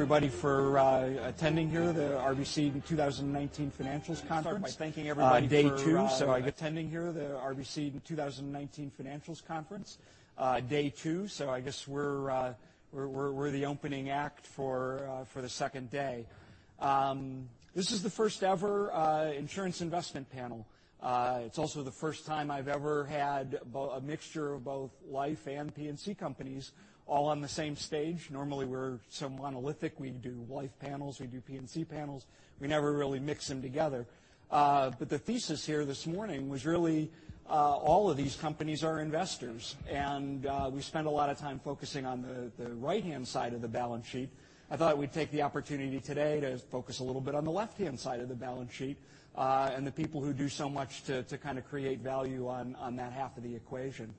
Everybody for attending here the RBC Capital Markets 2019 Financial Institutions Conference day 2. I guess we're the opening act for the 2nd day. This is the 1st ever insurance investment panel. It's also the 1st time I've ever had a mixture of both life and P&C companies all on the same stage. Normally, we're so monolithic. We do life panels, we do P&C panels. We never really mix them together. The thesis here this morning was really all of these companies are investors. We spend a lot of time focusing on the right-hand side of the balance sheet. I thought we'd take the opportunity today to focus a little bit on the left-hand side of the balance sheet and the people who do so much to create value on that half of the equation.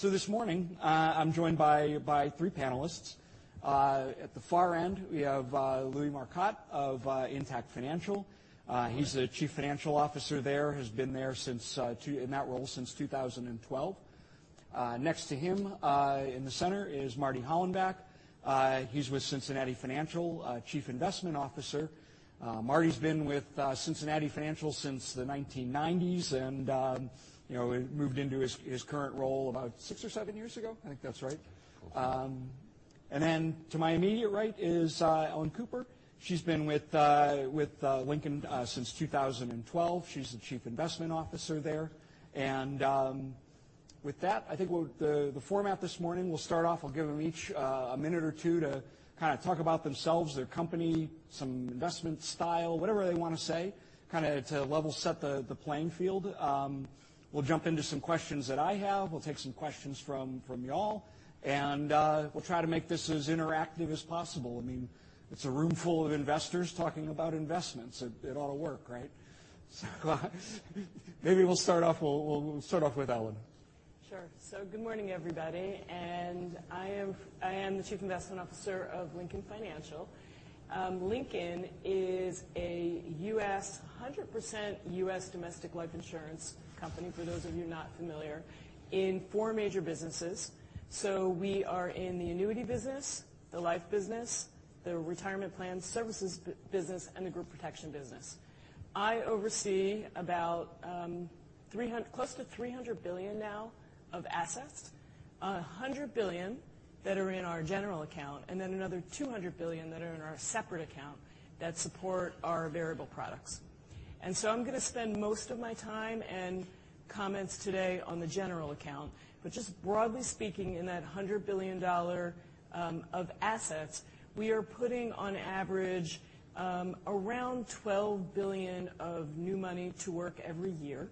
This morning, I'm joined by three panelists. At the far end, we have Louis Marcotte of Intact Financial. He's the Chief Financial Officer there. Has been there in that role since 2012. Next to him in the center is Marty Hollenbeck. He's with Cincinnati Financial, Chief Investment Officer. Marty's been with Cincinnati Financial since the 1990s and moved into his current role about six or seven years ago. I think that's right. Close. To my immediate right is Ellen Cooper. She's been with Lincoln since 2012. She's the Chief Investment Officer there. With that, I think the format this morning, we'll start off, I'll give them each a minute or two to talk about themselves, their company, some investment style, whatever they want to say, to level set the playing field. We'll jump into some questions that I have. We'll take some questions from you all, and we'll try to make this as interactive as possible. It's a room full of investors talking about investments. It ought to work, right? Maybe we'll start off with Ellen. Sure. Good morning, everybody, I am the Chief Investment Officer of Lincoln Financial. Lincoln is a 100% U.S. domestic life insurance company, for those of you not familiar, in 4 major businesses. We are in the annuity business, the life business, the retirement plan services business, and the group protection business. I oversee close to $300 billion now of assets, $100 billion that are in our general account, then another $200 billion that are in our separate account that support our variable products. I'm going to spend most of my time and comments today on the general account, just broadly speaking, in that $100 billion of assets, we are putting on average around $12 billion of new money to work every year.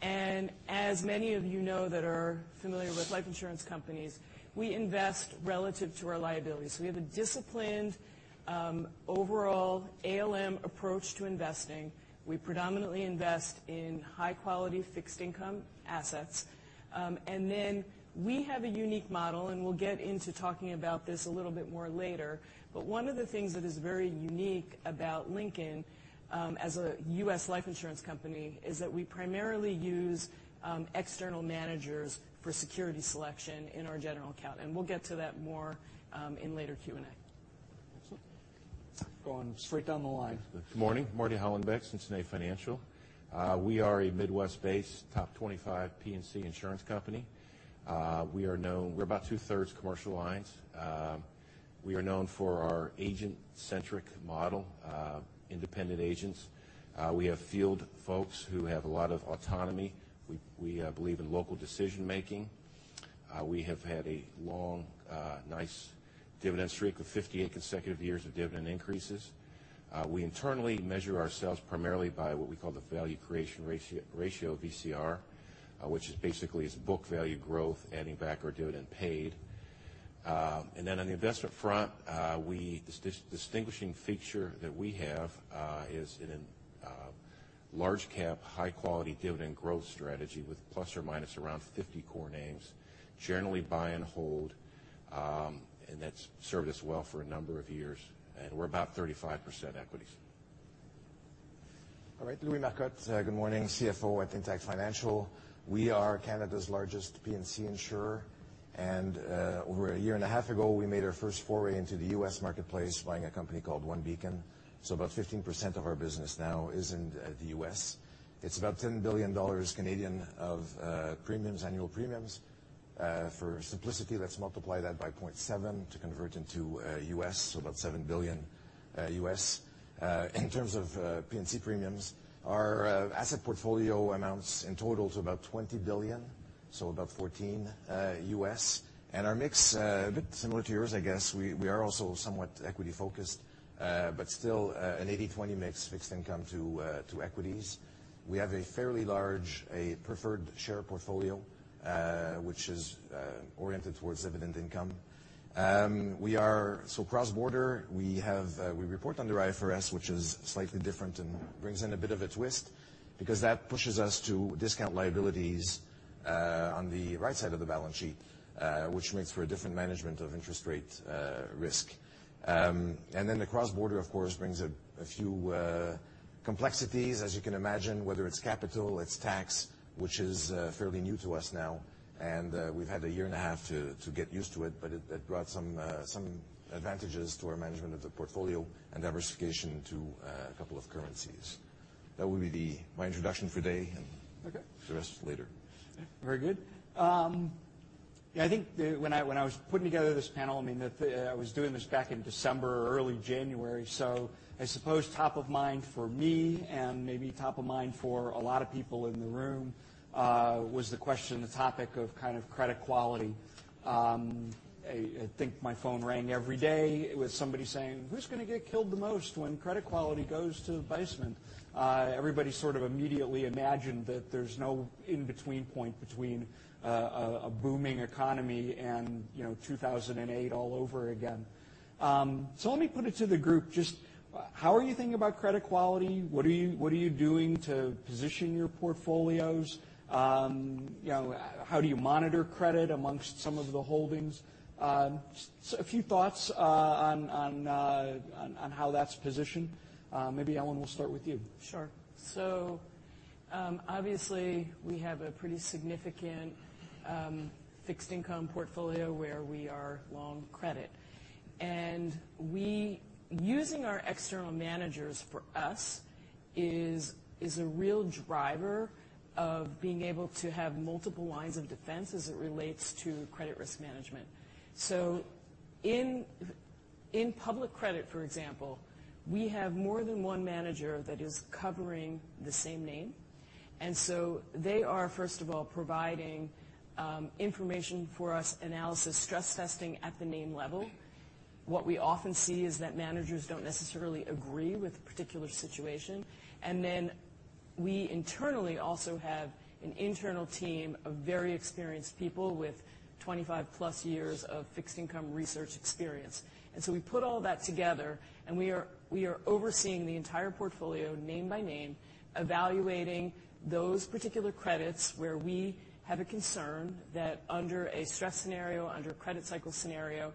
As many of you know that are familiar with life insurance companies, we invest relative to our liabilities. We have a disciplined, overall ALM approach to investing. We predominantly invest in high-quality fixed income assets. Then we have a unique model, and we'll get into talking about this a little bit more later. One of the things that is very unique about Lincoln as a U.S. life insurance company is that we primarily use external managers for security selection in our general account. We'll get to that more in later Q&A. Awesome. Going straight down the line. Good morning. Marty Hollenbeck, Cincinnati Financial. We are a Midwest-based top 25 P&C insurance company. We're about two-thirds commercial lines. We are known for our agent-centric model, independent agents. We have field folks who have a lot of autonomy. We believe in local decision-making. We have had a long, nice dividend streak of 58 consecutive years of dividend increases. We internally measure ourselves primarily by what we call the value creation ratio, VCR, which is basically is book value growth adding back our dividend paid. Then on the investment front, the distinguishing feature that we have is in a large cap, high-quality dividend growth strategy with ±50 core names, generally buy and hold, and that's served us well for a number of years, and we're about 35% equities. All right. Louis Marcotte. Good morning, CFO at Intact Financial. We are Canada's largest P&C insurer. Over a year and a half ago, we made our first foray into the U.S. marketplace buying a company called OneBeacon, so about 15% of our business now is in the U.S. It's about 10 billion Canadian dollars of annual premiums. For simplicity, let's multiply that by 0.7 to convert into U.S., so about $7 billion. In terms of P&C premiums, our asset portfolio amounts in total to about 20 billion, so about $14 billion. Our mix, a bit similar to yours I guess, we are also somewhat equity focused but still an 80/20 mix fixed income to equities. We have a fairly large preferred share portfolio which is oriented towards dividend income. Cross-border, we report under IFRS, which is slightly different and brings in a bit of a twist because that pushes us to discount liabilities on the right side of the balance sheet which makes for a different management of interest rate risk. The cross-border, of course, brings a few complexities, as you can imagine, whether it's capital, it's tax, which is fairly new to us now, and we've had a year and a half to get used to it, but it brought some advantages to our management of the portfolio and diversification to a couple of currencies. That will be my introduction for today. Okay The rest later. Very good. I think when I was putting together this panel, I was doing this back in December or early January, so I suppose top of mind for me, and maybe top of mind for a lot of people in the room, was the question, the topic of credit quality. I think my phone rang every day with somebody saying, "Who's going to get killed the most when credit quality goes to the basement?" Everybody sort of immediately imagined that there's no in-between point between a booming economy and 2008 all over again. Let me put it to the group, just how are you thinking about credit quality? What are you doing to position your portfolios? How do you monitor credit amongst some of the holdings? A few thoughts on how that's positioned. Maybe, Ellen, we'll start with you. Obviously, we have a pretty significant fixed income portfolio where we are long credit. Using our external managers for us is a real driver of being able to have multiple lines of defense as it relates to credit risk management. In public credit, for example, we have more than one manager that is covering the same name, and they are, first of all, providing information for us, analysis, stress testing at the name level. What we often see is that managers don't necessarily agree with a particular situation. We internally also have an internal team of very experienced people with 25+ years of fixed income research experience. We put all that together, and we are overseeing the entire portfolio name by name, evaluating those particular credits where we have a concern that under a stress scenario, under a credit cycle scenario,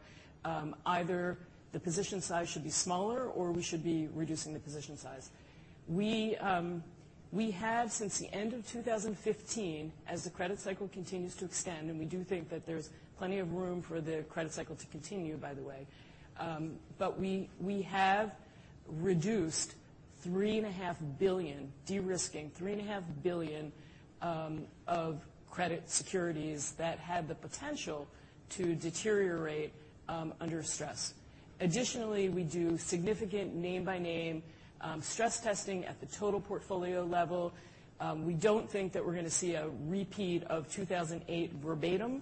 either the position size should be smaller or we should be reducing the position size. We have, since the end of 2015, as the credit cycle continues to extend, we do think that there's plenty of room for the credit cycle to continue, by the way. We have reduced $3.5 billion, de-risking $3.5 billion of credit securities that had the potential to deteriorate under stress. Additionally, we do significant name-by-name stress testing at the total portfolio level. We don't think that we're going to see a repeat of 2008 verbatim,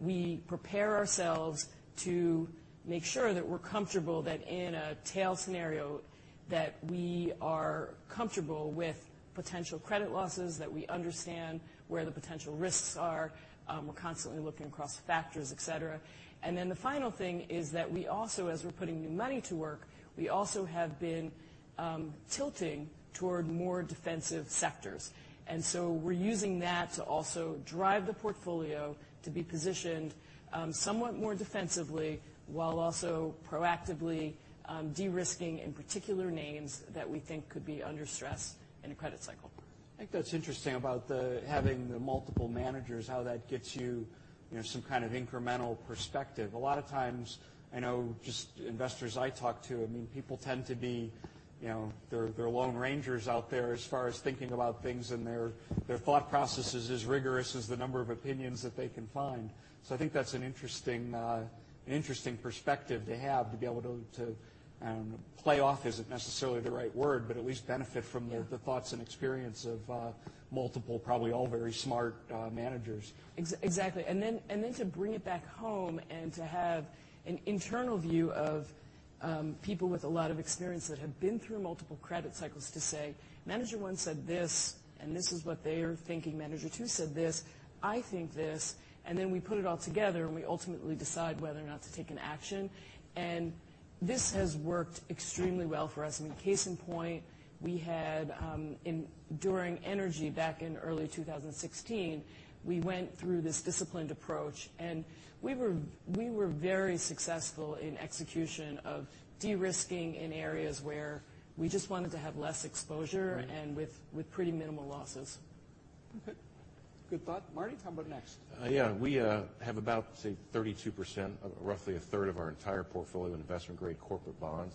we prepare ourselves to make sure that we're comfortable that in a tail scenario, that we are comfortable with potential credit losses, that we understand where the potential risks are. We're constantly looking across factors, et cetera. The final thing is that we also, as we're putting new money to work, we also have been tilting toward more defensive sectors. We're using that to also drive the portfolio to be positioned somewhat more defensively, while also proactively de-risking in particular names that we think could be under stress in a credit cycle. I think that's interesting about having the multiple managers, how that gets you some kind of incremental perspective. A lot of times, I know just investors I talk to, people tend to be lone rangers out there as far as thinking about things, their thought process is as rigorous as the number of opinions that they can find. I think that's an interesting perspective to have to be able to, play off isn't necessarily the right word, but at least benefit from the thoughts and experience of multiple, probably all very smart managers. Exactly. To bring it back home and to have an internal view of people with a lot of experience that have been through multiple credit cycles to say, "Manager one said this, and this is what they are thinking. Manager two said this, I think this." We put it all together, and we ultimately decide whether or not to take an action. This has worked extremely well for us. Case in point, during energy back in early 2016, we went through this disciplined approach, and we were very successful in execution of de-risking in areas where we just wanted to have less exposure and with pretty minimal losses. Okay. Good thought. Marty, how about next? Yeah. We have about, say, 32%, roughly a third of our entire portfolio in investment-grade corporate bonds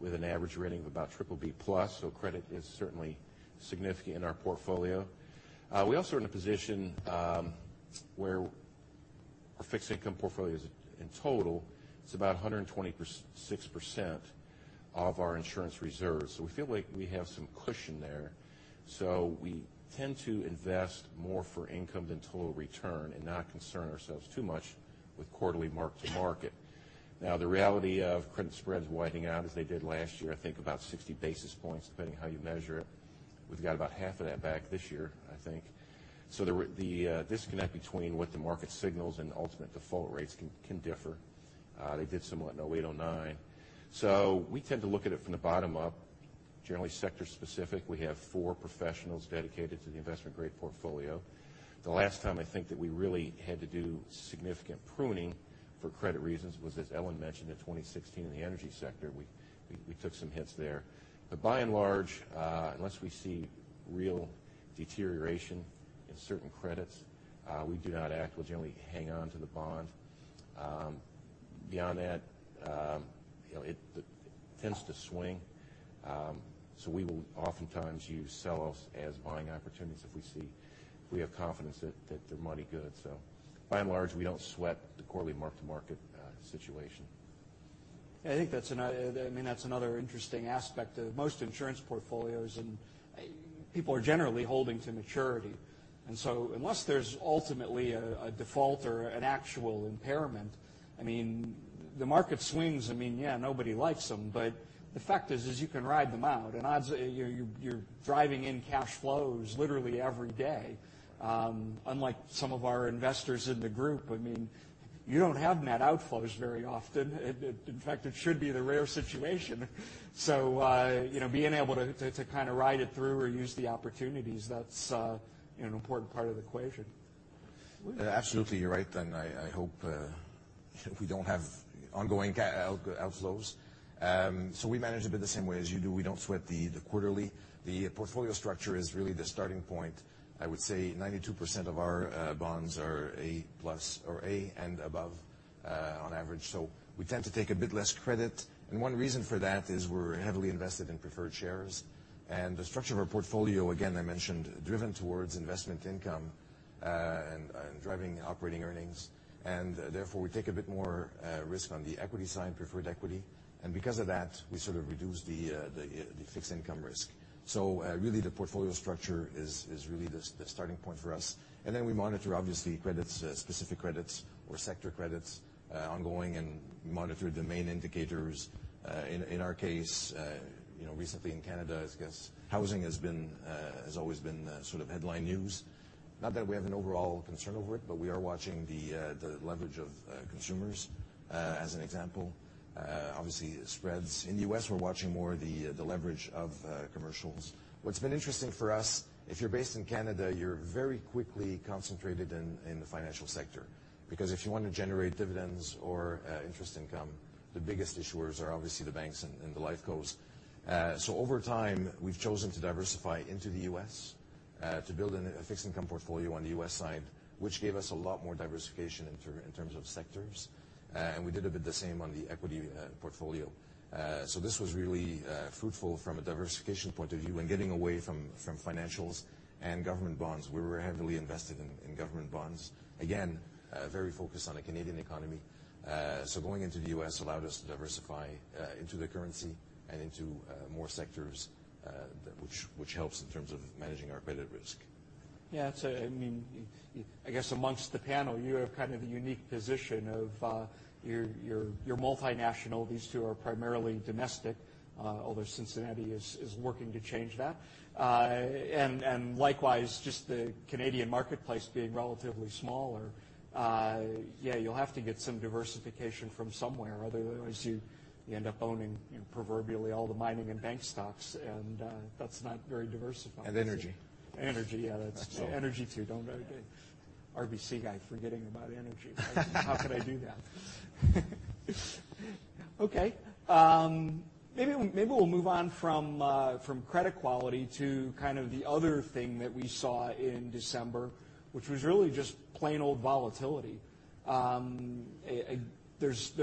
with an average rating of about triple B plus. Credit is certainly significant in our portfolio. We also are in a position where our fixed income portfolio, as in total, it's about 126% of our insurance reserves. We feel like we have some cushion there. We tend to invest more for income than total return and not concern ourselves too much with quarterly mark to market. Now, the reality of credit spreads widening out as they did last year, I think about 60 basis points, depending on how you measure it. We've got about half of that back this year, I think. The disconnect between what the market signals and ultimate default rates can differ. They did somewhat in 2008-2009. We tend to look at it from the bottom up, generally sector-specific. We have four professionals dedicated to the investment-grade portfolio. The last time I think that we really had to do significant pruning for credit reasons was, as Ellen mentioned, in 2016 in the energy sector. We took some hits there. By and large, unless we see real deterioration in certain credits, we do not act. We'll generally hang on to the bond. Beyond that, it tends to swing. We will oftentimes use sell-offs as buying opportunities if we see we have confidence that they're money good. By and large, we don't sweat the quarterly mark-to-market situation. I think that's another interesting aspect of most insurance portfolios. People are generally holding to maturity. Unless there's ultimately a default or an actual impairment, the market swings. Yeah, nobody likes them, but the fact is you can ride them out. You're driving in cash flows literally every day. Unlike some of our investors in the group, you don't have net outflows very often. In fact, it should be the rare situation. Being able to kind of ride it through or use the opportunities, that's an important part of the equation. Absolutely, you're right. I hope we don't have ongoing outflows. We manage a bit the same way as you do. We don't sweat the quarterly. The portfolio structure is really the starting point. I would say 92% of our bonds are A+ or A and above on average. We tend to take a bit less credit, and one reason for that is we're heavily invested in preferred shares. The structure of our portfolio, again, I mentioned, driven towards investment income and driving operating earnings. Therefore, we take a bit more risk on the equity side, preferred equity. Because of that, we sort of reduce the fixed income risk. Really, the portfolio structure is really the starting point for us. Then we monitor, obviously, credits, specific credits or sector credits, ongoing, and monitor the main indicators. In our case, recently in Canada, I guess housing has always been sort of headline news. Not that we have an overall concern over it, but we are watching the leverage of consumers as an example. Obviously, spreads. In the U.S., we're watching more the leverage of commercials. What's been interesting for us, if you're based in Canada, you're very quickly concentrated in the financial sector because if you want to generate dividends or interest income, the biggest issuers are obviously the banks and the life cos. Over time, we've chosen to diversify into the U.S. to build a fixed income portfolio on the U.S. side, which gave us a lot more diversification in terms of sectors. We did a bit the same on the equity portfolio. This was really fruitful from a diversification point of view and getting away from financials and government bonds. We were heavily invested in government bonds. Again, very focused on a Canadian economy. Going into the U.S. allowed us to diversify into the currency and into more sectors which helps in terms of managing our credit risk. Yeah. I guess amongst the panel, you have kind of a unique position of you're multinational. These two are primarily domestic. Although Cincinnati is working to change that. Likewise, just the Canadian marketplace being relatively smaller, yeah, you'll have to get some diversification from somewhere. Otherwise, you end up owning proverbially all the mining and bank stocks, and that's not very diversified. Energy. Energy, yeah. Energy too. RBC guy forgetting about energy. How could I do that? Okay. Maybe we'll move on from credit quality to kind of the other thing that we saw in December, which was really just plain old volatility. There's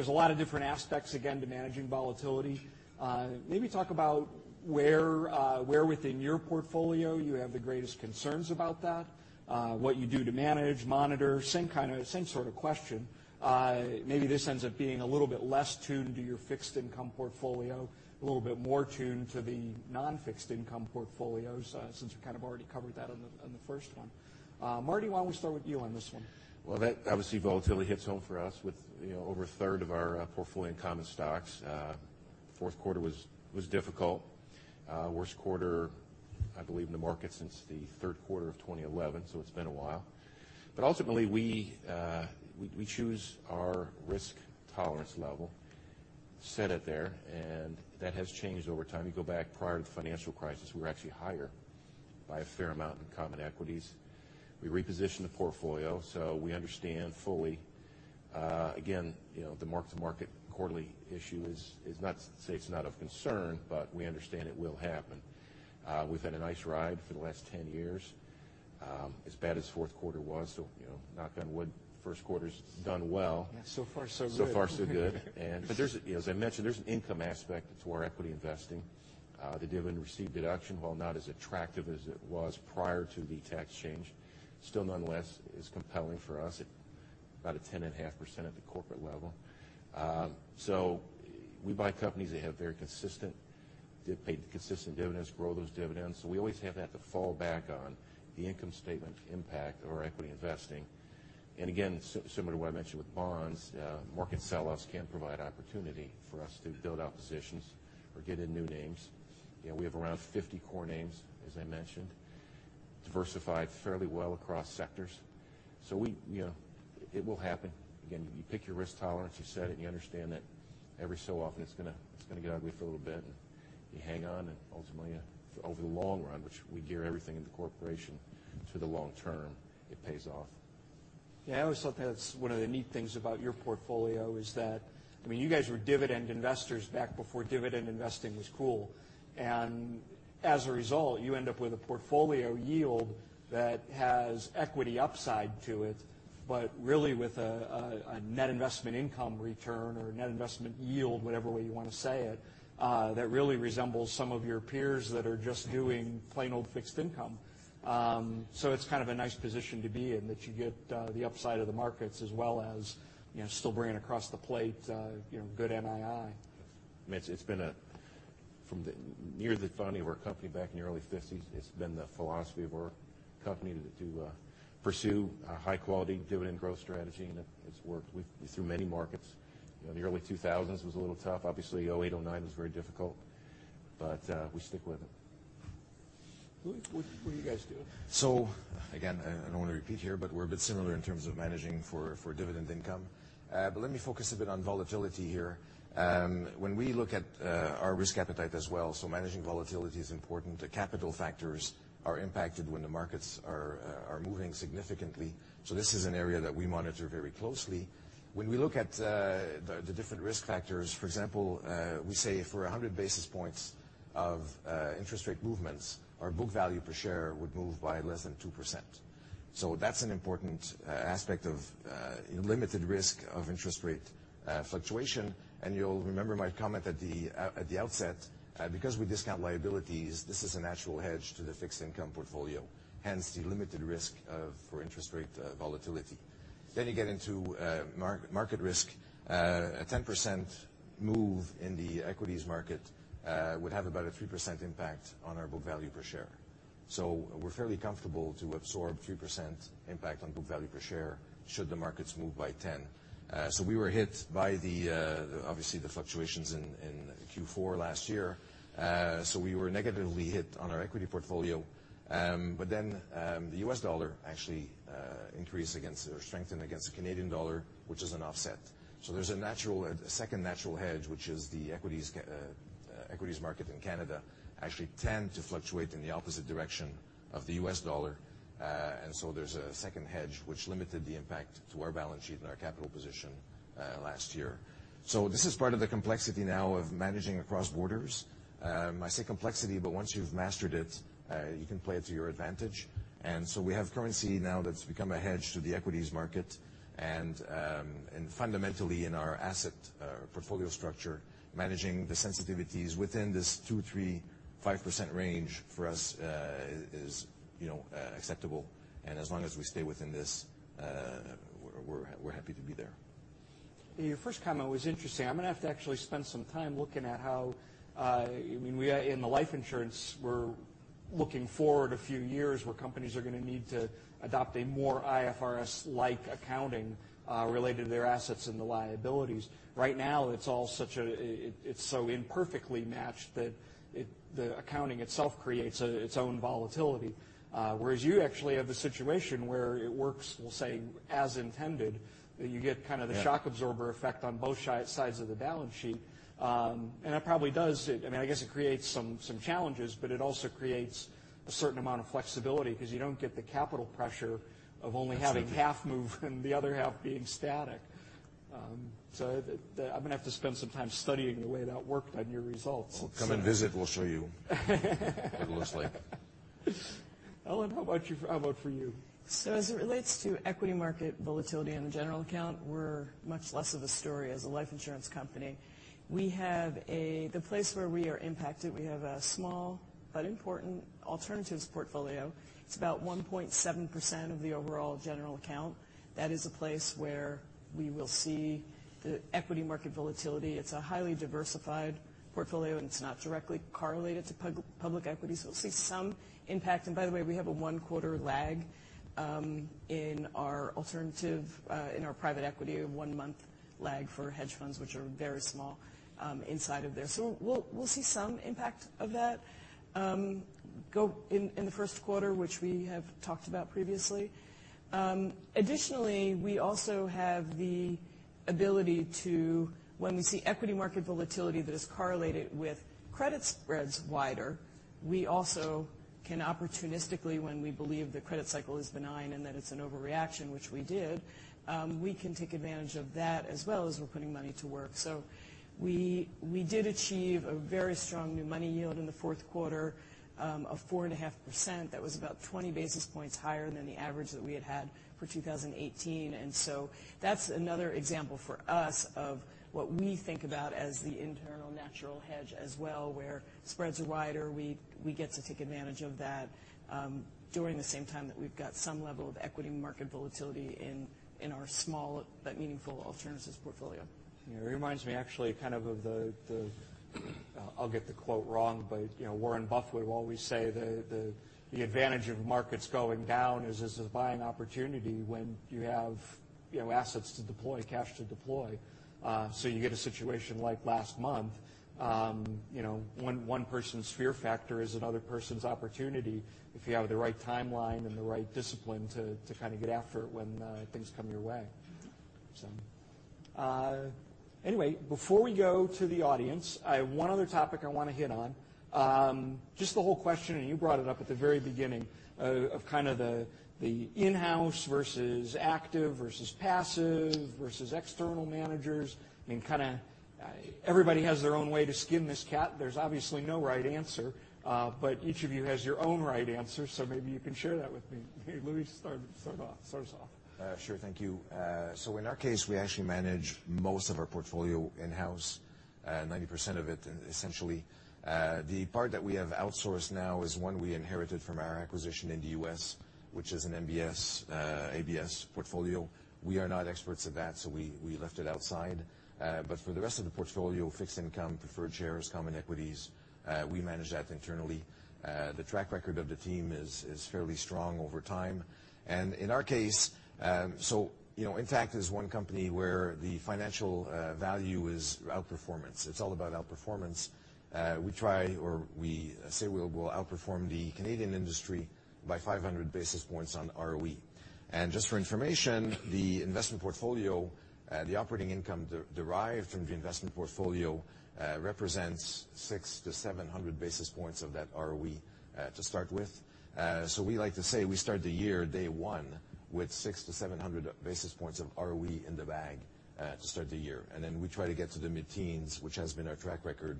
a lot of different aspects, again, to managing volatility. Maybe talk about where within your portfolio you have the greatest concerns about that, what you do to manage, monitor. Same sort of question. Maybe this ends up being a little bit less tuned to your fixed income portfolio, a little bit more tuned to the non-fixed income portfolios, since we kind of already covered that on the first one. Marty, why don't we start with you on this one? Well, that obviously volatility hits home for us with over a third of our portfolio in common stocks. Fourth quarter was difficult. Worst quarter, I believe, in the market since the third quarter of 2011. It's been a while. Ultimately, we choose our risk tolerance level, set it there, and that has changed over time. You go back prior to the financial crisis, we were actually higher by a fair amount in common equities. We repositioned the portfolio, so we understand fully. Again, the mark to market quarterly issue is not to say it's not of concern, but we understand it will happen. We've had a nice ride for the last 10 years. As bad as fourth quarter was, so knock on wood, first quarter's done well. So far so good. So far so good. As I mentioned, there's an income aspect to our equity investing. The dividend received deduction, while not as attractive as it was prior to the tax change, still nonetheless is compelling for us at about a 10.5% at the corporate level. We buy companies that pay consistent dividends, grow those dividends. We always have that to fall back on the income statement impact of our equity investing. Again, similar to what I mentioned with bonds, market selloffs can provide opportunity for us to build out positions or get in new names. We have around 50 core names, as I mentioned, diversified fairly well across sectors. It will happen. Again, you pick your risk tolerance, you set it, you understand that every so often it's going to get out of whack a little bit, you hang on, ultimately over the long run, which we gear everything in the corporation to the long term, it pays off. I always thought that's one of the neat things about your portfolio is that you guys were dividend investors back before dividend investing was cool. As a result, you end up with a portfolio yield that has equity upside to it, but really with a net investment income return or net investment yield, whatever way you want to say it, that really resembles some of your peers that are just doing plain old fixed income. It's kind of a nice position to be in that you get the upside of the markets as well as still bringing across the plate good NII. Mitch, from near the founding of our company back in the early '50s, it's been the philosophy of our company to pursue a high-quality dividend growth strategy. It's worked through many markets. The early 2000s was a little tough. Obviously, '08, '09 was very difficult. We stick with it. What do you guys do? Again, I don't want to repeat here. We're a bit similar in terms of managing for dividend income. Let me focus a bit on volatility here. When we look at our risk appetite as well, managing volatility is important. The capital factors are impacted when the markets are moving significantly. This is an area that we monitor very closely. When we look at the different risk factors, for example, we say for 100 basis points of interest rate movements, our book value per share would move by less than 2%. That's an important aspect of limited risk of interest rate fluctuation. You'll remember my comment at the outset, because we discount liabilities, this is a natural hedge to the fixed income portfolio, hence the limited risk for interest rate volatility. You get into market risk. A 10% move in the equities market would have about a 3% impact on our book value per share. We're fairly comfortable to absorb 3% impact on book value per share should the markets move by 10. We were hit by obviously the fluctuations in Q4 last year. We were negatively hit on our equity portfolio. The U.S. dollar actually strengthened against the Canadian dollar, which is an offset. There's a second natural hedge, which is the equities market in Canada actually tend to fluctuate in the opposite direction of the U.S. dollar. There's a second hedge, which limited the impact to our balance sheet and our capital position last year. This is part of the complexity now of managing across borders. I say complexity, but once you've mastered it, you can play it to your advantage. We have currency now that's become a hedge to the equities market. Fundamentally in our asset portfolio structure, managing the sensitivities within this 2%, 3%, 5% range for us is acceptable. As long as we stay within this, we're happy to be there. Your first comment was interesting. I'm going to have to actually spend some time looking at how in the life insurance, we're looking forward a few years where companies are going to need to adopt a more IFRS-like accounting related to their assets and the liabilities. Right now, it's so imperfectly matched that the accounting itself creates its own volatility. Whereas you actually have the situation where it works, we'll say, as intended, that you get kind of the shock absorber effect on both sides of the balance sheet. I guess it creates some challenges, but it also creates a certain amount of flexibility because you don't get the capital pressure of only having half move and the other half being static. I'm going to have to spend some time studying the way that worked on your results. Come and visit. We'll show you what it looks like. Ellen, how about for you? As it relates to equity market volatility in the general account, we're much less of a story as a life insurance company. The place where we are impacted, we have a small but important alternatives portfolio. It's about 1.7% of the overall general account. That is a place where we will see the equity market volatility. It's a highly diversified portfolio, and it's not directly correlated to public equity. We'll see some impact. And by the way, we have a one-quarter lag in our private equity, one-month lag for hedge funds, which are very small inside of there. We'll see some impact of that go in the first quarter, which we have talked about previously. Additionally, we also have the ability to, when we see equity market volatility that is correlated with credit spreads wider, we also can opportunistically, when we believe the credit cycle is benign and that it's an overreaction, which we did, we can take advantage of that as well as we're putting money to work. We did achieve a very strong new money yield in the fourth quarter of 4.5%. That was about 20 basis points higher than the average that we had for 2018. That's another example for us of what we think about as the internal natural hedge as well, where spreads are wider. We get to take advantage of that during the same time that we've got some level of equity market volatility in our small but meaningful alternatives portfolio. It reminds me actually kind of, I'll get the quote wrong, but Warren Buffett would always say the advantage of markets going down is there's a buying opportunity when you have assets to deploy, cash to deploy. You get a situation like last month, one person's fear factor is another person's opportunity if you have the right timeline and the right discipline to kind of get after it when things come your way. Anyway, before we go to the audience, I have one other topic I want to hit on. Just the whole question, and you brought it up at the very beginning, of kind of the in-house versus active versus passive versus external managers. I mean, kind of everybody has their own way to skin this cat. There's obviously no right answer. Each of you has your own right answer. Maybe you can share that with me. Maybe Louis, start us off. Sure. Thank you. In our case, we actually manage most of our portfolio in-house, 90% of it, essentially. The part that we have outsourced now is one we inherited from our acquisition in the U.S., which is an MBS, ABS portfolio. We are not experts at that, we left it outside. For the rest of the portfolio, fixed income, preferred shares, common equities, we manage that internally. The track record of the team is fairly strong over time. In our case, Intact is one company where the financial value is outperformance. It's all about outperformance. We try, or we say we will outperform the Canadian industry by 500 basis points on ROE. Just for information, the investment portfolio, the operating income derived from the investment portfolio, represents 600 to 700 basis points of that ROE, to start with. We like to say we start the year, day one, with 600 to 700 basis points of ROE in the bag, to start the year. Then we try to get to the mid-teens, which has been our track record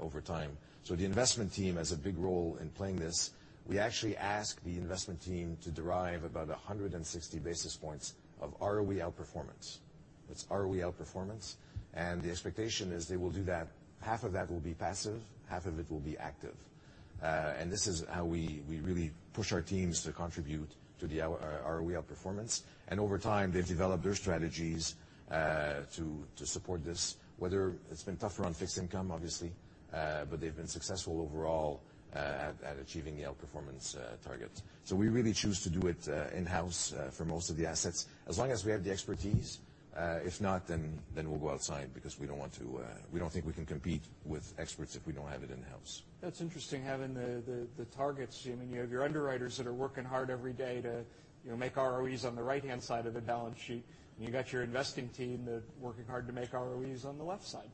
over time. The investment team has a big role in playing this. We actually ask the investment team to derive about 160 basis points of ROE outperformance. It's ROE outperformance, and the expectation is they will do that. Half of that will be passive, half of it will be active. This is how we really push our teams to contribute to the ROE outperformance. Over time, they've developed their strategies to support this, whether it's been tougher on fixed income, obviously, but they've been successful overall at achieving the outperformance targets. We really choose to do it in-house for most of the assets, as long as we have the expertise. If not, we'll go outside because we don't think we can compete with experts if we don't have it in-house. That's interesting, having the targets. You have your underwriters that are working hard every day to make ROEs on the right-hand side of the balance sheet, and you've got your investing team that are working hard to make ROEs on the left side.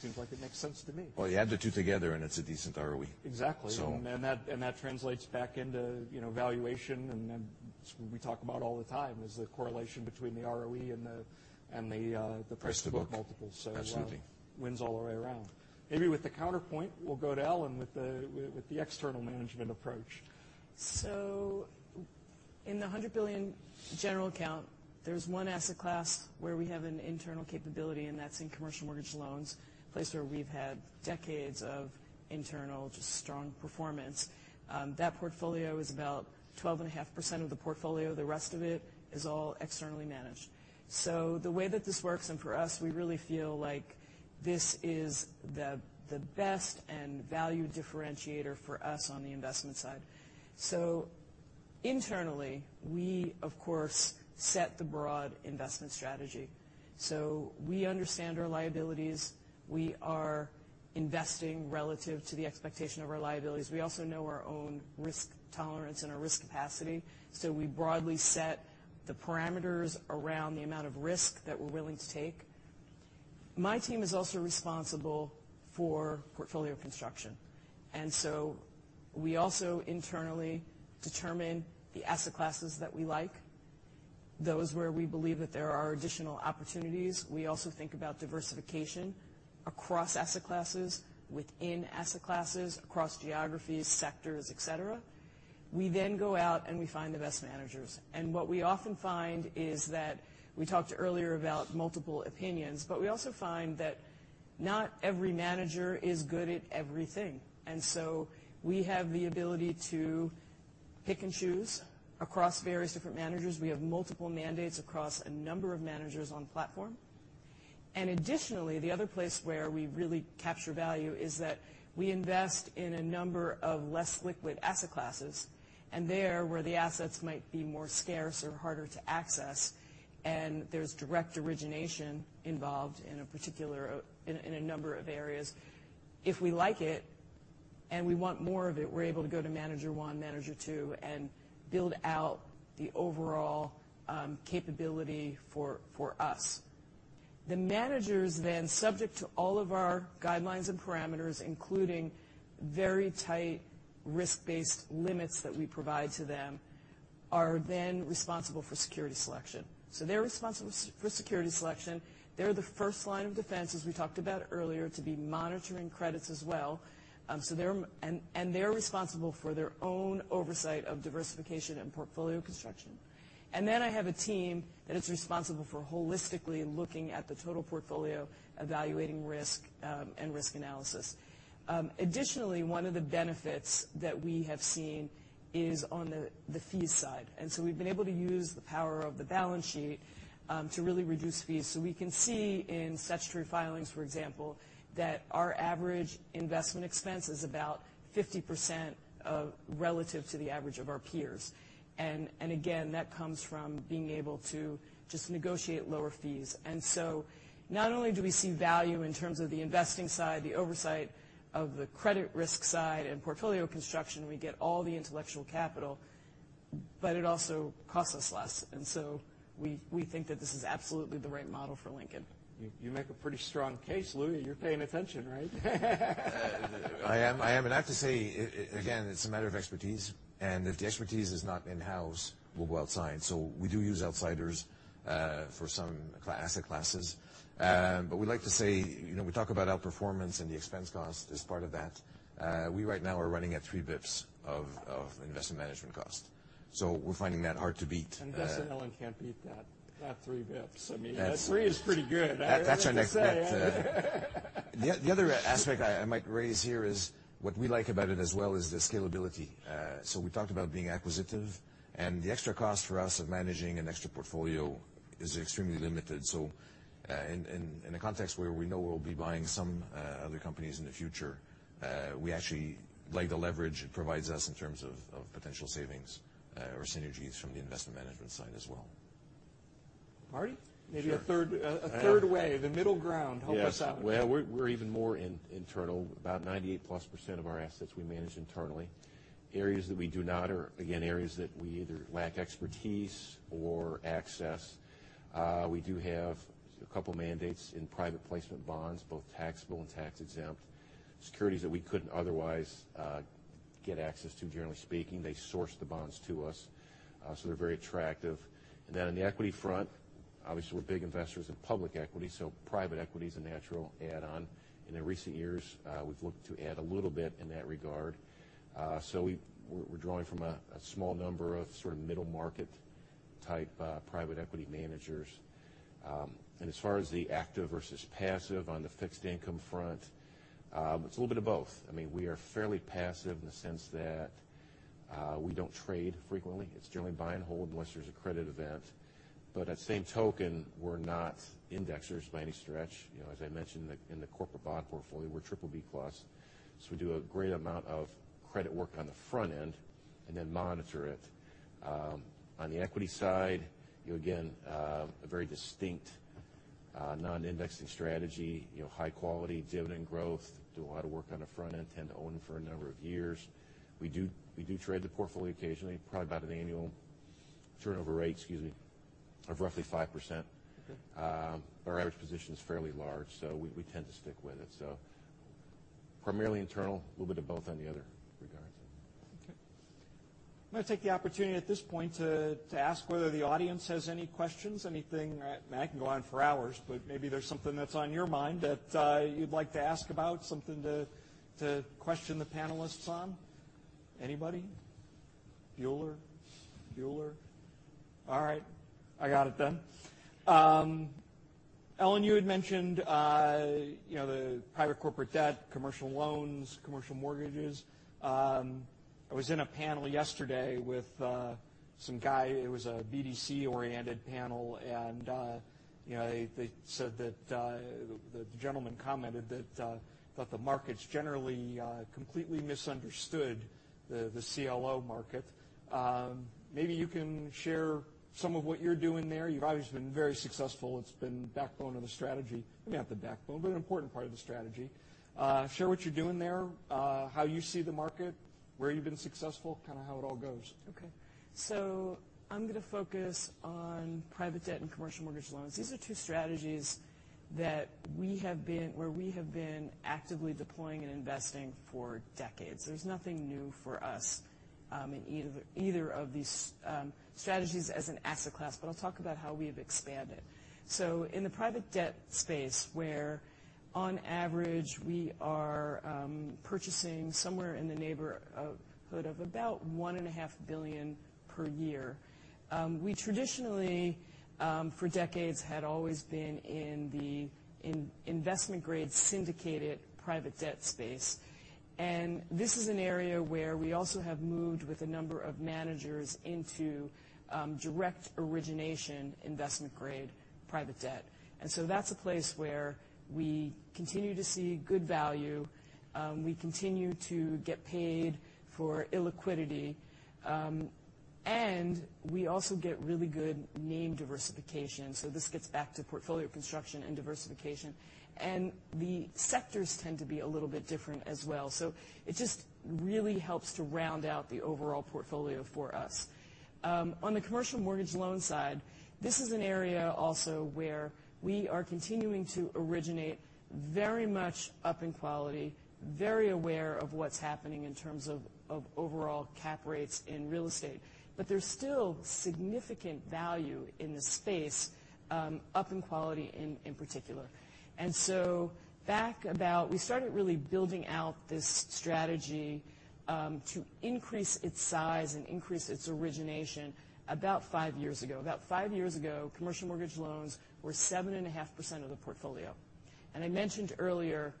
Seems like it makes sense to me. Well, you add the two together, and it's a decent ROE. Exactly. So- That translates back into valuation, then it's what we talk about all the time, is the correlation between the ROE and. Price to book Price to book multiples. Absolutely. Wins all the way around. Maybe with the counterpoint, we'll go to Ellen with the external management approach. In the $100 billion general account, there's one asset class where we have an internal capability, and that's in commercial mortgage loans, a place where we've had decades of internal, just strong performance. That portfolio is about 12.5% of the portfolio. The rest of it is all externally managed. The way that this works, and for us, we really feel like this is the best and value differentiator for us on the investment side. Internally, we, of course, set the broad investment strategy. We understand our liabilities. We are investing relative to the expectation of our liabilities. We also know our own risk tolerance and our risk capacity. We broadly set the parameters around the amount of risk that we're willing to take. My team is also responsible for portfolio construction, we also internally determine the asset classes that we like, those where we believe that there are additional opportunities. We also think about diversification across asset classes, within asset classes, across geographies, sectors, et cetera. We go out and we find the best managers. What we often find is that we talked earlier about multiple opinions, we also find that not every manager is good at everything. We have the ability to pick and choose across various different managers. We have multiple mandates across a number of managers on platform. Additionally, the other place where we really capture value is that we invest in a number of less liquid asset classes, and there where the assets might be more scarce or harder to access, and there's direct origination involved in a number of areas. If we like it and we want more of it, we're able to go to manager one, manager two, and build out the overall capability for us. The managers, subject to all of our guidelines and parameters, including very tight risk-based limits that we provide to them, are responsible for security selection. They're responsible for security selection. They're the first line of defense, as we talked about earlier, to be monitoring credits as well. They're responsible for their own oversight of diversification and portfolio construction. I have a team that is responsible for holistically looking at the total portfolio, evaluating risk, and risk analysis. Additionally, one of the benefits that we have seen is on the fees side. We've been able to use the power of the balance sheet to really reduce fees. We can see in statutory filings, for example, that our average investment expense is about 50% relative to the average of our peers. Again, that comes from being able to just negotiate lower fees. Not only do we see value in terms of the investing side, the oversight of the credit risk side and portfolio construction, we get all the intellectual capital. It also costs us less. We think that this is absolutely the right model for Lincoln. You make a pretty strong case, Louis. You're paying attention, right? I am, I have to say, again, it's a matter of expertise, and if the expertise is not in-house, we'll go outside. We do use outsiders for some asset classes. We like to say, we talk about outperformance and the expense cost as part of that. We right now are running at three basis points of investment management cost. We're finding that hard to beat. Gus and Ellen can't beat that three basis points. Three is pretty good, I have to say. The other aspect I might raise here is what we like about it as well is the scalability. We talked about being acquisitive, and the extra cost for us of managing an extra portfolio is extremely limited. In a context where we know we'll be buying some other companies in the future, we actually like the leverage it provides us in terms of potential savings or synergies from the investment management side as well. Marty? Sure. Maybe a third way, the middle ground. Help us out. Yes. Well, we're even more internal. About 98%+ of our assets we manage internally. Areas that we do not are, again, areas that we either lack expertise or access. We do have a couple mandates in private placement bonds, both taxable and tax-exempt. Securities that we couldn't otherwise get access to, generally speaking. They source the bonds to us. They're very attractive. On the equity front, obviously, we're big investors in public equity, private equity is a natural add-on. In recent years, we've looked to add a little bit in that regard. We're drawing from a small number of middle market type private equity managers. As far as the active versus passive on the fixed income front, it's a little bit of both. We are fairly passive in the sense that we don't trade frequently. It's generally buy and hold unless there's a credit event. At the same token, we're not indexers by any stretch. As I mentioned, in the corporate bond portfolio, we're BBB+. We do a great amount of credit work on the front end and then monitor it. On the equity side, again, a very distinct non-indexing strategy. High quality, dividend growth. Do a lot of work on the front end. Tend to own it for a number of years. We do trade the portfolio occasionally, probably about an annual turnover rate, excuse me, of roughly 5%. Okay. Our average position is fairly large, so we tend to stick with it. Primarily internal, a little bit of both on the other regards. Okay. I'm going to take the opportunity at this point to ask whether the audience has any questions. Anything I can go on for hours, but maybe there's something that's on your mind that you'd like to ask about, something to question the panelists on. Anybody? Bueller? Bueller? All right. I got it then. Ellen, you had mentioned the private corporate debt, commercial loans, commercial mortgages. I was in a panel yesterday with some guy, it was a BDC-oriented panel, and the gentleman commented that the market's generally completely misunderstood the CLO market. Maybe you can share some of what you're doing there. You've obviously been very successful. It's been backbone of the strategy. Maybe not the backbone, but an important part of the strategy. Share what you're doing there, how you see the market, where you've been successful, how it all goes. Okay. I'm going to focus on private debt and commercial mortgage loans. These are two strategies where we have been actively deploying and investing for decades. There's nothing new for us in either of these strategies as an asset class. I'll talk about how we've expanded. In the private debt space, where on average we are purchasing somewhere in the neighborhood of about one and a half billion per year. We traditionally, for decades, had always been in the investment grade syndicated private debt space. This is an area where we also have moved with a number of managers into direct origination investment grade private debt. That's a place where we continue to see good value. We continue to get paid for illiquidity, and we also get really good name diversification. This gets back to portfolio construction and diversification. The sectors tend to be a little bit different as well. It just really helps to round out the overall portfolio for us. On the commercial mortgage loan side, this is an area also where we are continuing to originate very much up in quality, very aware of what's happening in terms of overall cap rates in real estate. There's still significant value in this space, up in quality in particular. I started really building out this strategy, to increase its size and increase its origination about five years ago. About five years ago, commercial mortgage loans were 7.5% of the portfolio. I mentioned earlier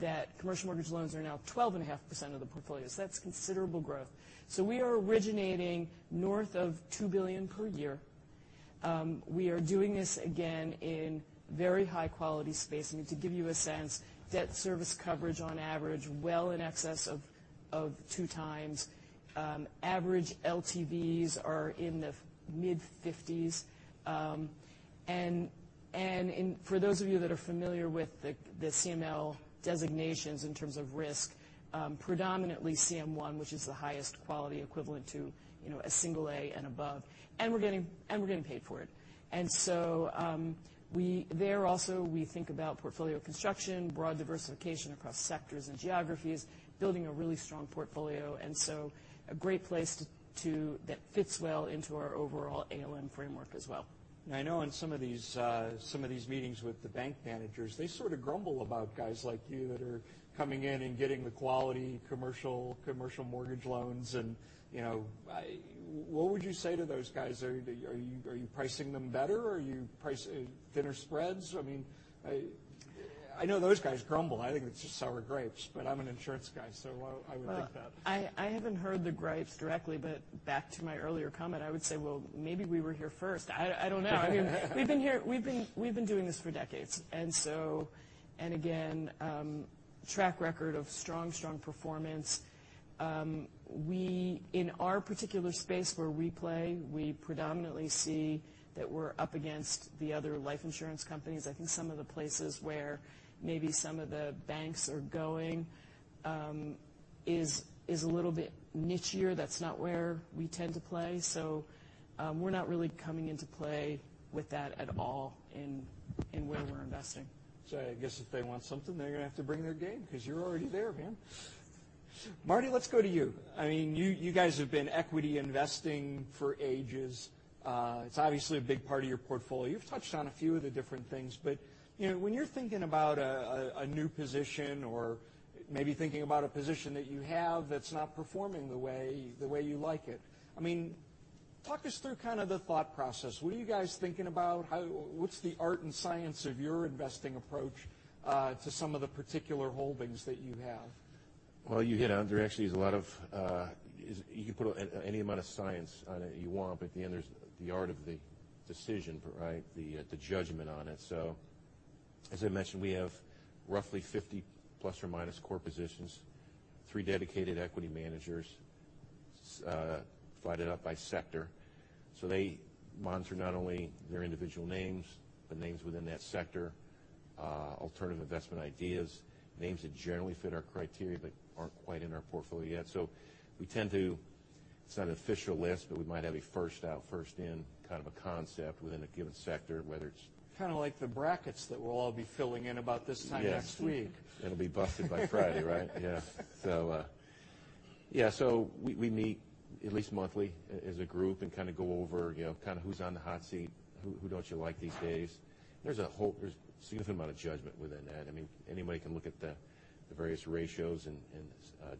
that commercial mortgage loans are now 12.5% of the portfolio. That's considerable growth. We are originating north of $2 billion per year. We are doing this, again, in very high quality space. To give you a sense, debt service coverage on average, well in excess of two times. Average LTVs are in the mid-50s. For those of you that are familiar with the CML designations in terms of risk Predominantly CM1, which is the highest quality equivalent to a single-A and above, and we're getting paid for it. There also, we think about portfolio construction, broad diversification across sectors and geographies, building a really strong portfolio, and so a great place that fits well into our overall ALM framework as well. I know in some of these meetings with the bank managers, they sort of grumble about guys like you that are coming in and getting the quality commercial mortgage loans. What would you say to those guys? Are you pricing them better? Are you pricing thinner spreads? I know those guys grumble. I think it's just sour grapes, but I'm an insurance guy, so I would think that. Well, I haven't heard the gripes directly, but back to my earlier comment, I would say, well, maybe we were here first. I don't know. We've been doing this for decades, and again, track record of strong performance. In our particular space where we play, we predominantly see that we're up against the other life insurance companies. I think some of the places where maybe some of the banks are going is a little bit nicher. That's not where we tend to play. We're not really coming into play with that at all in where we're investing. I guess if they want something, they're going to have to bring their game because you're already there, man. Marty, let's go to you. You guys have been equity investing for ages. It's obviously a big part of your portfolio. You've touched on a few of the different things, but when you're thinking about a new position or maybe thinking about a position that you have that's not performing the way you like it, talk us through kind of the thought process. What are you guys thinking about? What's the art and science of your investing approach to some of the particular holdings that you have? Well, you hit on there actually is a lot of You can put any amount of science on it you want, but at the end, there's the art of the decision, right? The judgment on it. As I mentioned, we have roughly 50 plus or minus core positions, three dedicated equity managers divided up by sector. They monitor not only their individual names, but names within that sector, alternative investment ideas, names that generally fit our criteria but aren't quite in our portfolio yet. We tend to, it's not an official list, but we might have a first out, first in kind of a concept within a given sector, whether it's. Kind of like the brackets that we'll all be filling in about this time next week. Yes. It'll be busted by Friday, right? Yeah. We meet at least monthly as a group and kind of go over who's on the hot seat, who don't you like these days? There's a significant amount of judgment within that. Anybody can look at the various ratios and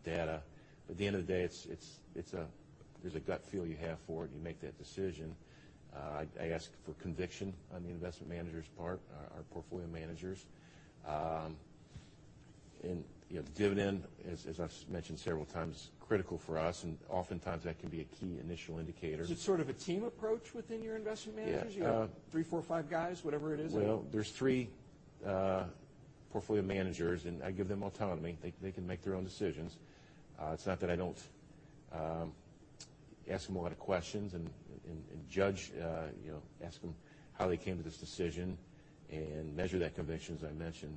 data, but at the end of the day, there's a gut feel you have for it, and you make that decision. I ask for conviction on the investment manager's part, our portfolio managers. Dividend, as I've mentioned several times, critical for us, and oftentimes that can be a key initial indicator. Is it sort of a team approach within your investment managers? Yeah. You have three, four, five guys, whatever it is? Well, there's three portfolio managers. I give them autonomy. They can make their own decisions. It's not that I don't ask them a lot of questions and judge, ask them how they came to this decision and measure that conviction, as I mentioned.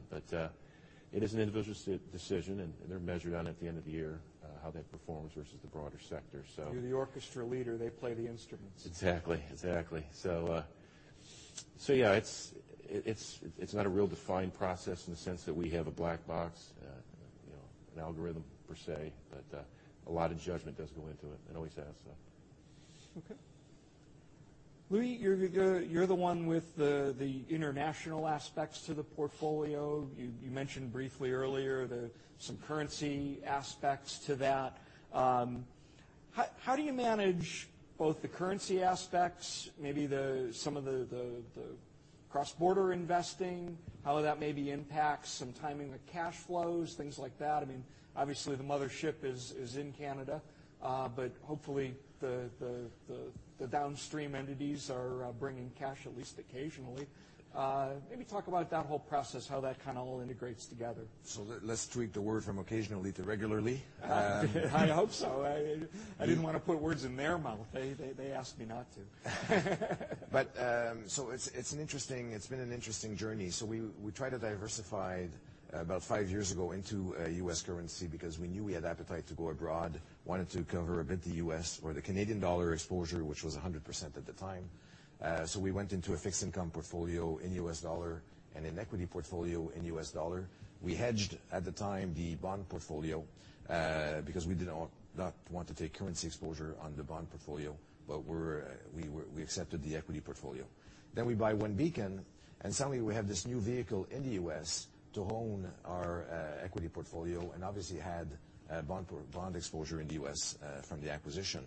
It is an individual decision, and they're measured on it at the end of the year, how that performs versus the broader sector, so. You're the orchestra leader. They play the instruments. Exactly. Yeah. It's not a real defined process in the sense that we have a black box, an algorithm per se. A lot of judgment does go into it and always has, so. Okay. Louis, you're the one with the international aspects to the portfolio. You mentioned briefly earlier some currency aspects to that. How do you manage both the currency aspects, maybe some of the cross-border investing, how that maybe impacts some timing of cash flows, things like that? Obviously the mother ship is in Canada. Hopefully the downstream entities are bringing cash at least occasionally. Maybe talk about that whole process, how that kind of all integrates together. Let's tweak the word from occasionally to regularly. I hope so. I didn't want to put words in their mouth. They asked me not to. It's been an interesting journey. We tried to diversify about five years ago into U.S. currency because we knew we had appetite to go abroad, wanted to cover a bit the U.S. or the Canadian dollar exposure, which was 100% at the time. We went into a fixed income portfolio in U.S. dollar and an equity portfolio in U.S. dollar. We hedged at the time the bond portfolio, because we did not want to take currency exposure on the bond portfolio, but we accepted the equity portfolio. We buy OneBeacon, and suddenly we have this new vehicle in the U.S. to own our equity portfolio, and obviously had bond exposure in the U.S. from the acquisition.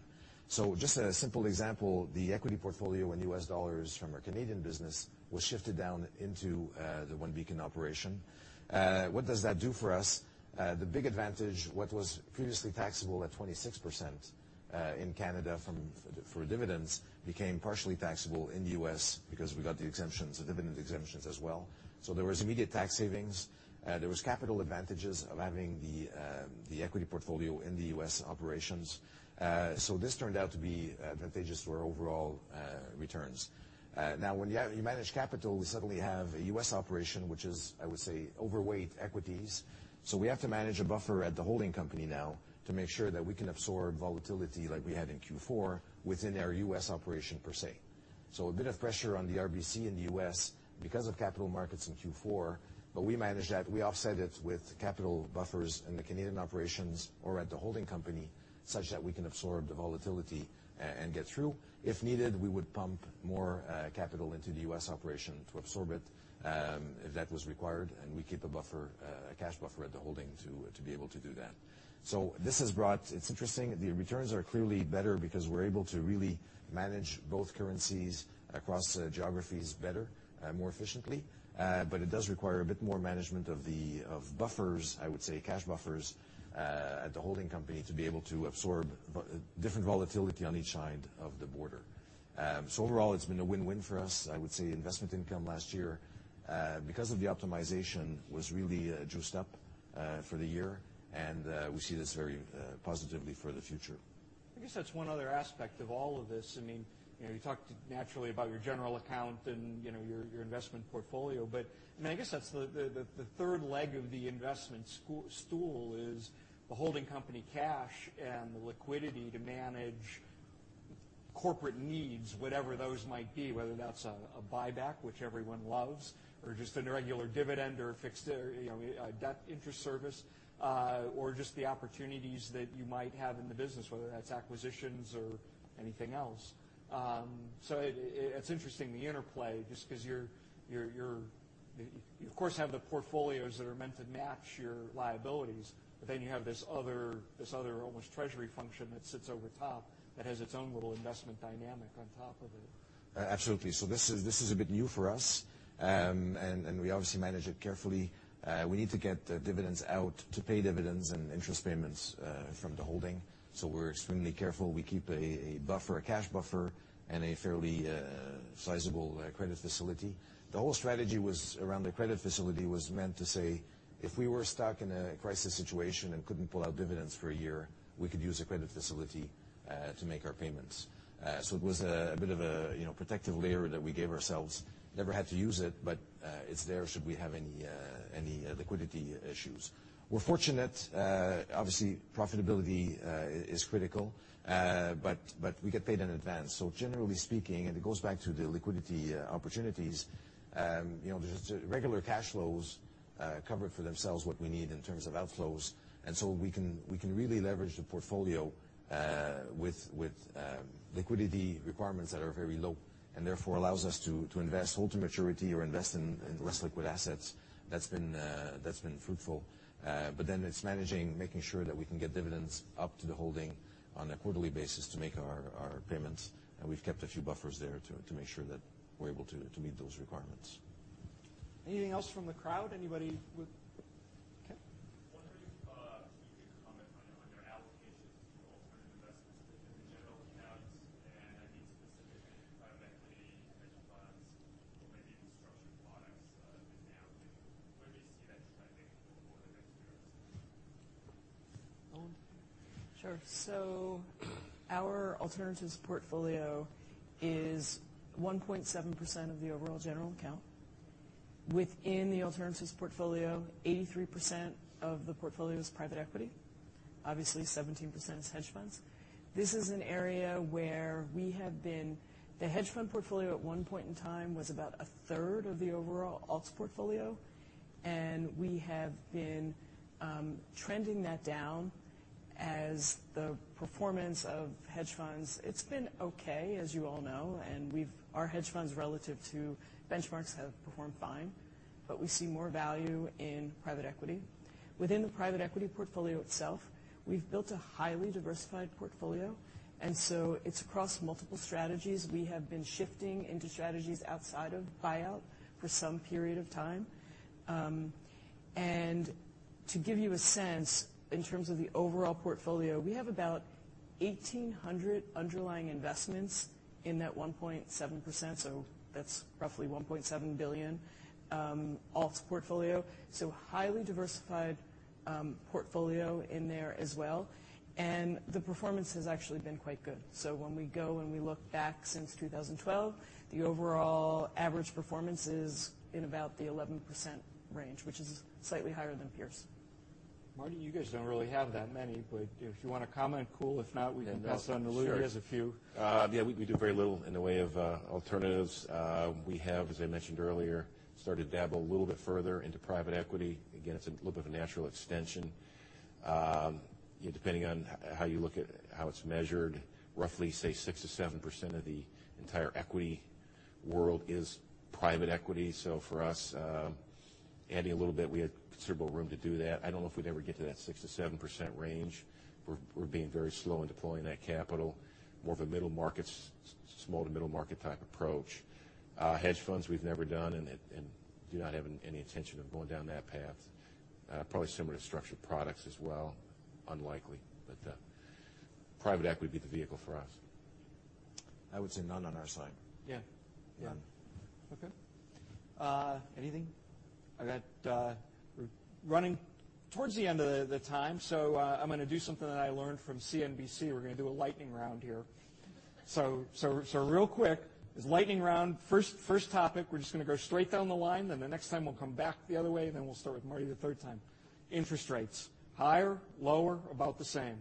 Just a simple example, the equity portfolio in U.S. dollars from our Canadian business was shifted down into the OneBeacon operation. What does that do for us? The big advantage, what was previously taxable at 26% in Canada for dividends became partially taxable in the U.S. because we got the exemptions, the dividend exemptions as well. There was immediate tax savings. There was capital advantages of having the equity portfolio in the U.S. operations. This turned out to be advantageous for overall returns. When you manage capital, we suddenly have a U.S. operation, which is, I would say, overweight equities. We have to manage a buffer at the holding company now to make sure that we can absorb volatility like we had in Q4 within our U.S. operation per se. A bit of pressure on the RBC in the U.S. because of capital markets in Q4. We managed that. We offset it with capital buffers in the Canadian operations or at the holding company, such that we can absorb the volatility and get through. If needed, we would pump more capital into the U.S. operation to absorb it if that was required, and we keep a cash buffer at the holding to be able to do that. It's interesting. The returns are clearly better because we're able to really manage both currencies across geographies better, more efficiently. It does require a bit more management of buffers, I would say, cash buffers, at the holding company to be able to absorb different volatility on each side of the border. Overall, it's been a win-win for us. I would say investment income last year, because of the optimization, was really juiced up for the year, and we see this very positively for the future. I guess that's one other aspect of all of this. You talked naturally about your general account and your investment portfolio, but I guess that's the third leg of the investment stool is the holding company cash and the liquidity to manage corporate needs, whatever those might be, whether that's a buyback, which everyone loves, or just a regular dividend or a fixed debt interest service, or just the opportunities that you might have in the business, whether that's acquisitions or anything else. It's interesting, the interplay, just because you, of course, have the portfolios that are meant to match your liabilities, but then you have this other almost treasury function that sits over top that has its own little investment dynamic on top of it. Absolutely. This is a bit new for us, and we obviously manage it carefully. We need to get dividends out to pay dividends and interest payments from the holding. We're extremely careful. We keep a cash buffer and a fairly sizable credit facility. The whole strategy around the credit facility was meant to say, if we were stuck in a crisis situation and couldn't pull out dividends for a year, we could use a credit facility to make our payments. It was a bit of a protective layer that we gave ourselves. Never had to use it, but it's there should we have any liquidity issues. We're fortunate. Obviously, profitability is critical, but we get paid in advance. Generally speaking, it goes back to the liquidity opportunities, just regular cash flows cover for themselves what we need in terms of outflows, we can really leverage the portfolio with liquidity requirements that are very low and therefore allows us to invest, hold to maturity or invest in less liquid assets. That's been fruitful. It's managing, making sure that we can get dividends up to the holding on a quarterly basis to make our payments, and we've kept a few buffers there to make sure that we're able to meet those requirements. Anything else from the crowd? Anybody with Okay. Wondering if you could comment on your allocations to alternative investments within the general accounts, I mean specifically private equity, hedge funds, or maybe structured products and how, where do you see that trending over the next few years? Lauren? Sure. Our alternatives portfolio is 1.7% of the overall general account. Within the alternatives portfolio, 83% of the portfolio is private equity. Obviously, 17% is hedge funds. This is an area where we have been The hedge fund portfolio at one point in time was about a third of the overall alts portfolio, we have been trending that down as the performance of hedge funds, it's been okay, as you all know, and our hedge funds relative to benchmarks have performed fine, we see more value in private equity. Within the private equity portfolio itself, we've built a highly diversified portfolio, it's across multiple strategies. We have been shifting into strategies outside of buyout for some period of time. To give you a sense in terms of the overall portfolio, we have about 1,800 underlying investments in that 1.7%, so that's roughly $1.7 billion alts portfolio. Highly diversified portfolio in there as well. The performance has actually been quite good. When we go and we look back since 2012, the overall average performance is in about the 11% range, which is slightly higher than peers. Marty, you guys don't really have that many, but if you want to comment, cool. If not, we can pass on to Louis. He has a few. Yeah. We do very little in the way of alternatives. We have, as I mentioned earlier, started to dabble a little bit further into private equity. It's a little bit of a natural extension. Depending on how it's measured, roughly, say, 6%-7% of the entire equity world is private equity. For us, adding a little bit, we have considerable room to do that. I don't know if we'd ever get to that 6%-7% range. We're being very slow in deploying that capital. More of a middle markets, small to middle market type approach. Hedge funds, we've never done and do not have any intention of going down that path. Probably similar to structured products as well. Unlikely. Private equity would be the vehicle for us. I would say none on our side. Yeah. Yeah. Okay. Anything? All right. We're running towards the end of the time. I'm going to do something that I learned from CNBC. We're going to do a lightning round here. Real quick, this lightning round. First topic, we're just going to go straight down the line. The next time we'll come back the other way. We'll start with Marty the third time. Interest rates, higher, lower, about the same?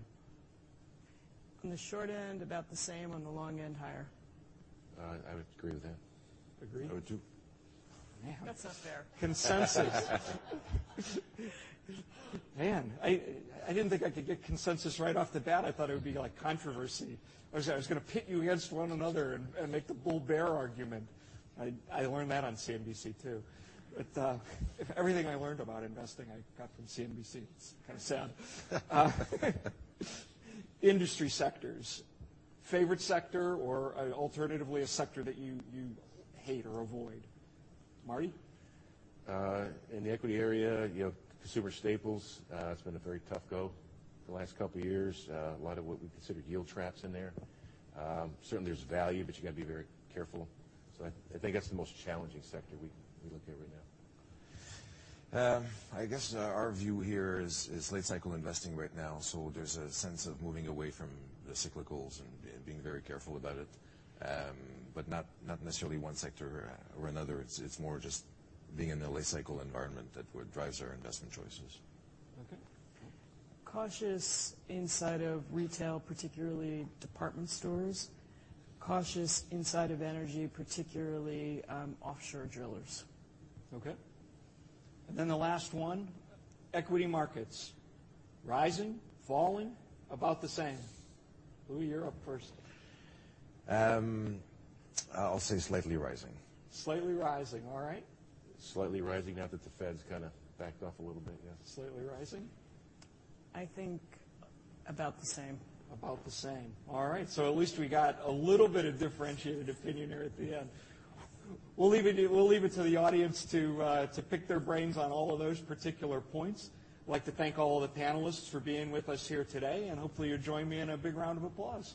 On the short end, about the same. On the long end, higher. I would agree with that. Agreed? I would, too. That's not fair. Consensus. Man, I didn't think I could get consensus right off the bat. I thought it would be controversy. I said I was going to pit you against one another and make the bull-bear argument. I learned that on CNBC, too. Everything I learned about investing I got from CNBC. It's kind of sad. Industry sectors. Favorite sector or alternatively, a sector that you hate or avoid? Marty? In the equity area, consumer staples. It's been a very tough go the last couple of years. A lot of what we considered yield traps in there. Certainly, there's value, but you got to be very careful. I think that's the most challenging sector we look at right now. I guess our view here is late cycle investing right now, there's a sense of moving away from the cyclicals and being very careful about it. Not necessarily one sector or another. It's more just being in a late cycle environment that what drives our investment choices. Okay. Cautious inside of retail, particularly department stores. Cautious inside of energy, particularly offshore drillers. Okay. The last one, equity markets. Rising, falling, about the same? Louis, you're up first. I'll say slightly rising. Slightly rising. All right. Slightly rising now that the Fed's kind of backed off a little bit, yeah. Slightly rising. I think about the same. About the same. All right, at least we got a little bit of differentiated opinion there at the end. We'll leave it to the audience to pick their brains on all of those particular points. I'd like to thank all the panelists for being with us here today, and hopefully you'll join me in a big round of applause.